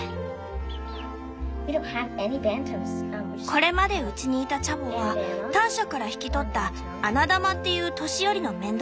これまでうちにいたチャボはターシャから引き取った「アナダマ」っていう年寄りの雌鶏だけ。